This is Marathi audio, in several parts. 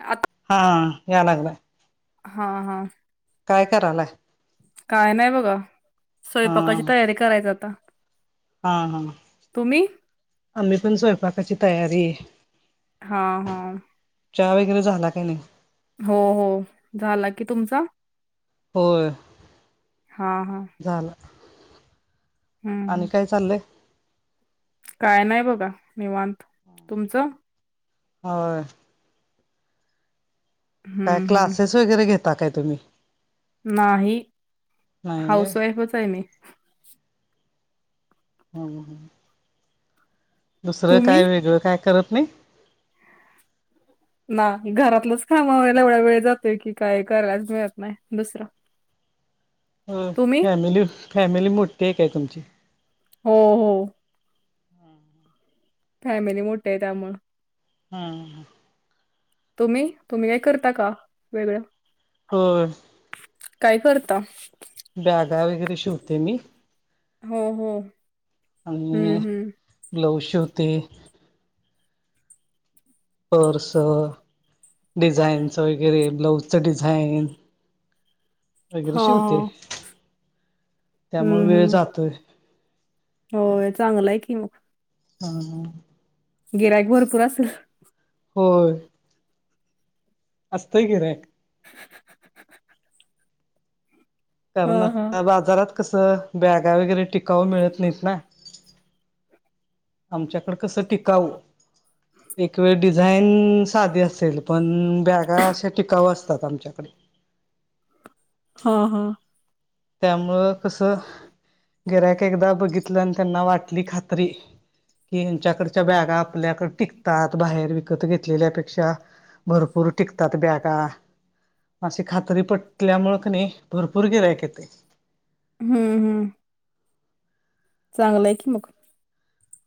आत हा यालगलं हा हा काय करालाय? काय नाही बघा हा स्वयंपाकाची तयारी करायच आता हा हा तुम्ही आम्ही पण स्वयंपाकाची तयारी हा हा चहा वगैरे झाला काही नाही हो हो झाला की तुमचा हो हा हा झाला हम्म आणि हम्म काय चाललंय काय नाही बघा निवांत तुमचं हो काय हम्म हम्म क्लासेस वगैरे घेता काय तुम्ही नाही नाही होय हाऊस वाईफच आहे मी हम् ह दुसरं तुम्ही काय वेगळं काय करत नाही ना घरातलंच कामा व्हायला एवढा वेळ जातोय की काय करायलाच मिळत नाही दुसरं हो तुम्ही फॅमिली फॅमिली मोठी एक आहे तुमची हो हो फॅमिली मोठे आहे त्यामुळ हा तुम्ही तुम्ही काही करता का वेगळं हो काय करता बॅगा वगैरे शिवते मी हो हो हम्म आणि हम्म ब्लाऊज शिवते पर्स डिझाईनच वगैरे ब्लाऊजचं डिझाईन वगैरे हा शिवते हा त्यामुळे वेळ जातोय हो चांगलंय आहे की मग हा ह गिरायक भरपूर असेल हो आसतय कीरे हहा तर मग त्या आता बाजारात कसं बॅगा वगैरे टिकाऊ मिळत नाहीत ना आमच्याकडे कसं टिकावू एक वेळी डिझाईन साधी असेल, पण बॅगा अशा टिकाव असतात आमच्याकडे. हा हा. त्यामुळं कसं गिरयाक एकदा बघितलं अन त्यांना वाटली खात्री की यांच्याकडच्या बॅगा आपल्याकड टिकतात बाहेर विकत घेतलेल्या पेक्षा. भरपूर टिकतात बॅगा. अशी खात्री पटल्यामुळ क नाही भरपूर गिरायक येतंय. हम्म हम्म. चांगलाय की मग.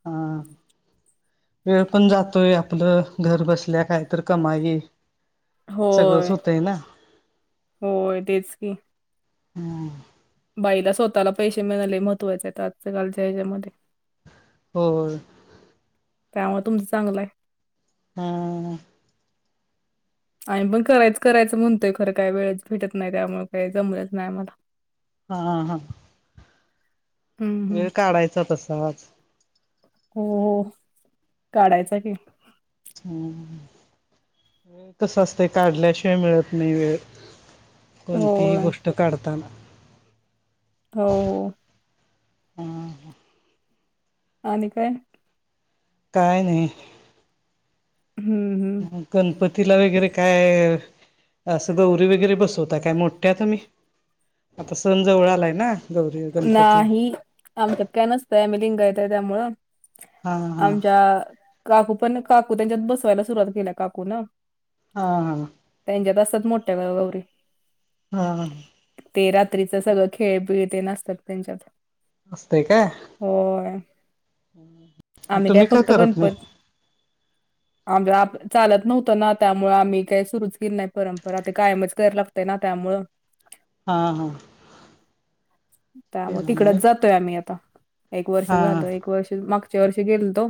हां. वेळ पण जातोय आपलं घर बसल्या काही तर कमाई. सगळंच होय, होतय ना. होय तेच की. हम्म. बाईला स्वतःला पैसे मिळाले लय महत्वाचे आजकालच्या कालच्या ह्याच्यामध्ये. होय. त्यामुळ तुमं चांगलाय. हा. आम्हीपण पण करायच करायचं म्हणतोय खरं काय वेळेच भेटत नाही त्यामुळे काही जमलंच नाही आम्हाला. आ हा. हं, हं. वेळ काढायचा तसाच. हम्म, काढायचा की. हम्म, कस असतय काढल्याशिवाय मिळत नाही वेळ. कोणतीही होय. गोष्ट काढताना हो. हा आणि काय? काय नाही. हं, गणपतीला वगैरे काय असं गौरी वगैरे बसवता काय, मोठ्या तुम्ही? आता सण जवळ हं. आलाय ना, गौरी, गणपती. आमचात काय नसतंय आम्हीं लिंगायत हाय त्यामुळं, हा हा आमच्या काकू पण काकू त्यांच्यात बसवायला सुरुवात केल्या काकून. हा हा. त्यांच्यात असत्यात मोठ्या गौरी. हा. ते रात्रीचं सगळं खेळ बिळ तेन असतात त्यांच्यात. असतंय काय, होय आम्ही काय तुम्ही का करत नाही. [inaudible] आम [unintelligible] चालत नव्हतं ना त्यामुळे आम्ही काही सुरूच केलं नाही परंपरा ते कायमच करायला लागते ना त्यामुळ. हा हा. त्यामुळ केला नाही तिकडच व्हय. जातोय आम्ही आता, एक वर्ष हा झालं एकवर्षं मा पुरच्या वर्षी गेल तो,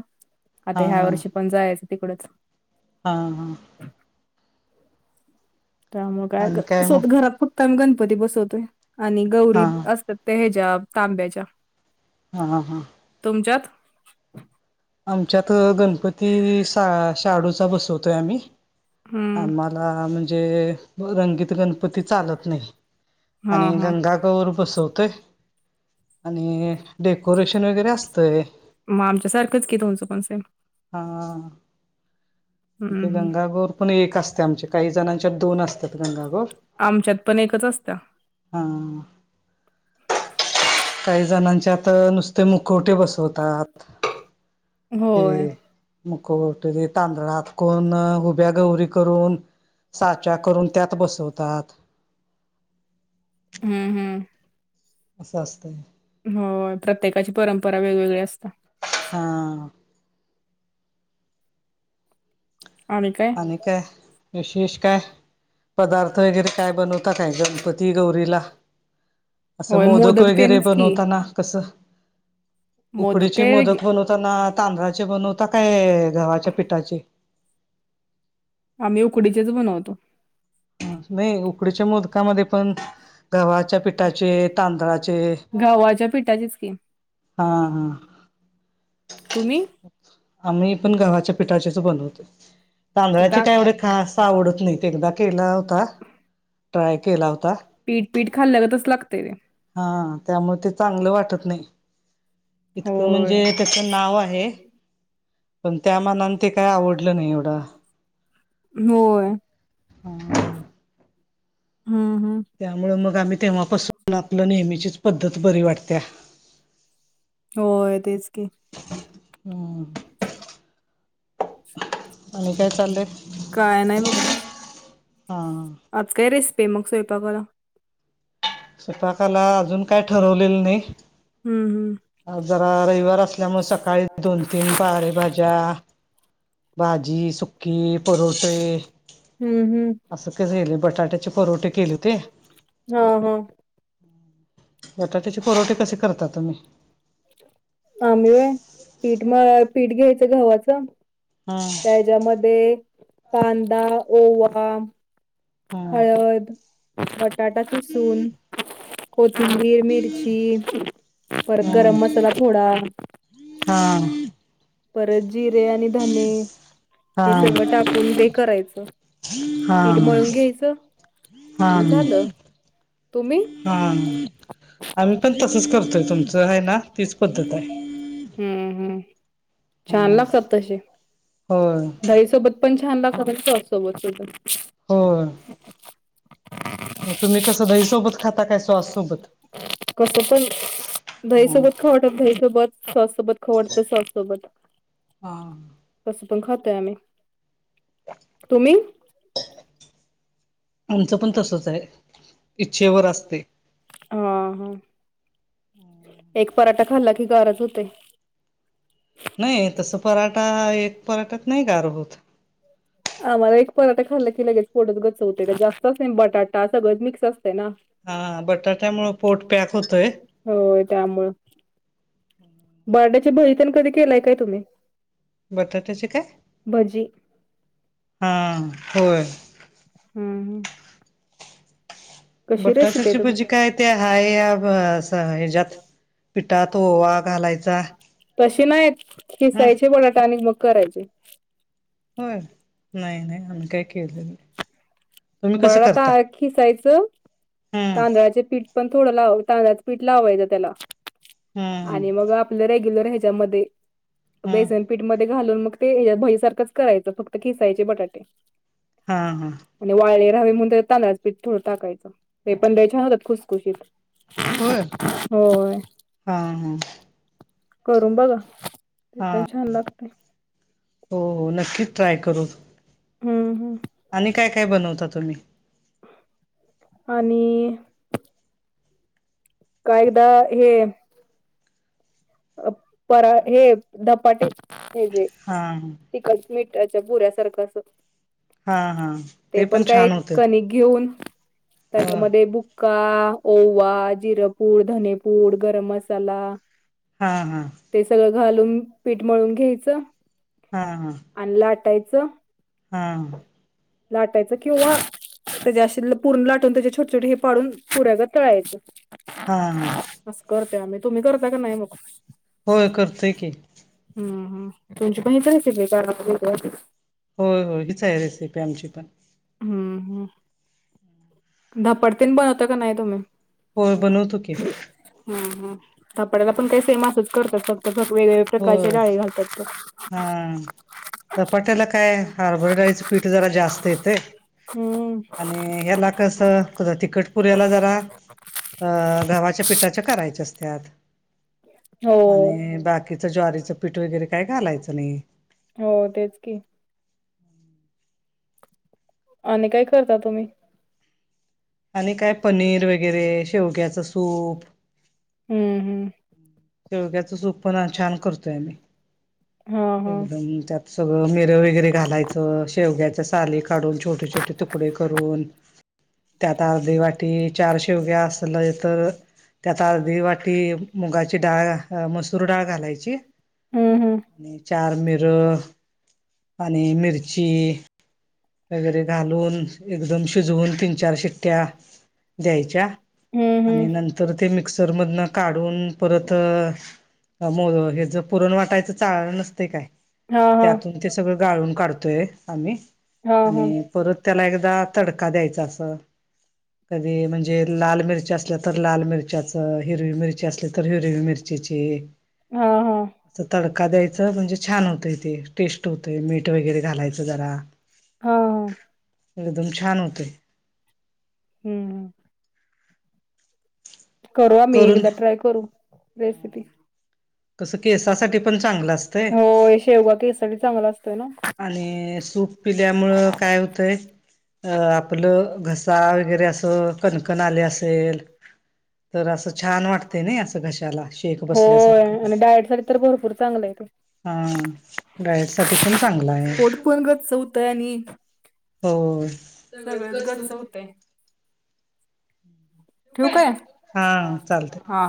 हा आता ह्या वर्षी पण जायचं तिकडचं. हा हा. त्या मुळं काय आणि गं मग स्वत घरात फक्त आम्ही गणपती बसवत आणि हा गौरी असतात त्या हेज्या तांब्याच्या. हा हा. तुमच्यात? आमच्यात गणपती श शाहाडूचा बसवतोय आम्ही, हम्म. आम [unintelligible] म्हणजे रंगीत गणपती चालत नाही हा आणि हा. ग कवर बसवतोय आणि डेकोरेशन वगैरे असतंय मग आमच्यासारखंच क तुमचं पण सेल हा ते हम्म गंगागोर पण एक असते आमचे काही जणांच्यात दोन असतात गंगागोर आमच्यात पण एकच असत हा काही जणांचे आता नुसते मुकवटे बसवतात होय मुकटरी तांदळ हातकून उुभ्या गौरी करून साचा करून त्यात बसवतात. हम्म हम्म.. असं असतं. हो प्रत्येकाची परंपरा वेगवेगळी असतता. हां आणि काय विशेष काय पदार्थ वगैरे काय बनवतात काय गणपती गौरीला असं होय मोदक वगैरे तेनच पण की होता ना कसं उकडीचे काय वेगळे, मोदक बनवताना तांदळाचे बनवता काय गवा्हाच्या पिठाची. आम्ही उकडीचेच बनवतो. नाही उकडीच्या मोदकामध्ये पण गव्हाच्या पिठाचे तांदळाचे घावच्या पिठाची स्कीम. हा हा तुम्ही आम्ही पण गावाच्या पिठाचेच बनवतो तिथ तांदळाचे काय एवढे खास आवडत नाही ते एकदा केला होता ट्राय केला होता पीठ पीठ खाल्लं ग तच लागते ते हा त्यामुळे ते चांगलं वाटत नाही इतकं म्हणजे होय. त्याच नाव आहे पण त्या मनान ते काय आवडलं नाही एवढं होय हा हम् हम् त्यामु मग आम्ही तेव्हापासून आपलं नेहमीचीच पद्धत बरी वाटते्या होय तेच की हम् आणि काय चाललंय काय नाही बघा. हा आज काय रेसिपी मग सोवपा गला सुपाकाला अजून काय ठरवलेल हं, हं. नाही जरा रविवार असल्यामुळे सकाळी दोन तीन बारे भाज्या भाजी सुकी परोठे हम्म हम् असं का झालं बटाट्याचे परवठे केले ते हा हा बटाट्याचे पुरवठे कसे करता तुम्ही आंबे आहे पीठ म पीठ घ्यायचं गवा्हाचं हा त्याच्यामध्ये कांदादा ओवा हा हळद बटाटाची सून कोथिंबीर, मिरची परत गरम हम्म मसाला थोडा, हां... परत जिरे आणि धने.. हे सगळं टाकून हेे करायचं, पीठ हा मळून घ्यायचं का झालं तुम्ही? हां आम्ही पण तसंच करतोय तुमचं आहे. ना तीच पद्धत आहे. हम्म हम्म... छान लागतात तसे होय दधाई सोबत पण छान लागतात. सॉस सोबत हो. ह मग तुम्ही कस दहीसोबत खाता काय सॉस सोबत ह ई सोबत सॉस सोबत खवडतं सॉस सोबत हा तस पण खातय आम्ही तुम्ही आमचं पण तसंच आहे. इच्छेवर असते हां हां एक पराठा खाल्ला की गार ज होते. नाही तसं पराठा एक पराठ्यात नाही गार होतं. आम्हाला एक पराठा खाल्ला की लगेच पोटात गचवते जास्तच नाही बटाटा सगळंच मिक्स असतं ना हा बटाट्यामुंळं पोट पॅक होतंय होय त्यामुळं बर्डे भहिण कधी केलाय काय? तुम्ही बटाट्याचे काय भजी... हा होय हम्म हम... रेसिपी बटाट्याची आहे भजी तुमची काय? ते हाय हच्यात. पिठात ओवा घालायचा. तसे नाही आहेत. ह किसायचे बटाटा आणि मग करायचे हो नाही नाही आम् काय केले. नाही तुम्ही कसं बडा त करता खिसायचं, हम्म तांदळाचे पीठ पण थोडं तांदळाच पीठ लावायचं त्याला हम्म आणि मग.. आप रेग्युलर ह्याच्यामध्ये हम्म बेसनपीठ मधे घालून मग ते भईसारखंच करायचं फक्त खिसायचे बटाटे. हा हा आणि वाळले राहावे म्हणून तर तांदळाच पीठ थोडं टाकायचं. ते पण ते छान होतात खुसखुशीत हो हां हां करून बघा ते हा पण छान लागते. हो. नक्कीच ट्राय करू हम्म हम्म... आणि काय काय बनवता तुम्ही आणि.. का एकदा हे पर हे धपाटे हे जे. हा तिकड मिठाच्या पुुऱ्यासारखं अस हा हा ते पण काय छान होतं कनिक घेऊन हो त्याच्यामध्ये बु का ओवा, जिरपूड, धनेपूड, गरम मसाला हां हां ते सगळं घालून पीठमळून घ्यायचं हा हा आणला आटायचं हा लाटायचं किंवा त्याच्या अशी पुरून लाटून त्याचे छोटे छोटे हे पाडून पुऱ्याग तळायचे हा हं. असं करते आम्ही. तुम्ही करता का नाही मग? होय करतोय की. हं हं. तुमची पण हीच रेसिपि काल बनवली होती आम्ही. होय होय हीच आहे रेसिपी आमची पण. धपडतीन बनवता का नाही तुम्ही? होय बनवतो की. हं हं. थापड्याला पण काही सेम असंच करतात फक्त वेग प्रकारचे होय डाळी घालात हा बघ. धपाट्याला काय हरभरा डाळीच पीठ जरा जास्त येतय. हं. च कोणत्या तिखट पुऱ्याला जरा अ गवाच्या पिठाच्या करायच्या असत्यात. हो आणि बाकीच ज्वारीच पीठ वगैरे काय घालायचं नाही. हो तेच की. आणि काय करता तुम्ही? आणि काय पनीर वगैरे, शेवग्याचं सूप. हं हं. शेवग्याच सूप पण छान करतोय आम्ही. हं. एकदम त्यात सगळं मिर वगैरे घालायचं, शेवग्याच्या साली काढून छोटे छोटे तु तुकडे करून, त्यात अर्धी वाटी चार शेवग्या असल तर त्यात अर्धी वाटी मुगाची डाळ अ मसूर डाळ घालायची. हं, हं. आणि चार मिर आणि मिरची, वगैरे घालून एकदम शिजवून तीन चार शिट्ट्या द्यायच्या. हं, आणि हं. नंतर ते मिक्सर मधनं काढून परत मो हे ज पुरण वाटायचं चाळन नसते काय हां, हां. त्यातून ते सगळं गाळून काढतोय आम्ही. हां, हां. आणि परत त्याला एकदा तडका द्यायचा असं कधी म्हणजे लाल मिरची असल्या तर लाल मिरच्याच. हिरवी मिरची असली तर हिरवी मिरची चिची हां, हां. अस तडका द्यायचं म्हणजे छान होतय ते. टेस्ट होतंय. मीठ वगैरे घालायचं जरा. ह ह. एकदम छान होतय हं हं. करू आम्ही. करून एकदा ट्राय करू रेसिपी. तसं केसासाठी पण चांगलं असतंय. होय, शेवगा केससाठी चांगला असतोय ना. आणि सूप पिल्यामुळं काय होतंय? अ आपलं घसा वगैरे असं कणकण आले असेल तर असं छान वाटते नाही. असं घशाला शेक होय बसल्यासारखं. आणि डायटसाठी तर भरपूर चांगलं आहे ते. हं. डाएट साठी पण चांगलं आहे. पोट गच्च होतंय आणि होय. सगळंच गच्च ठेऊ काय? हा हा.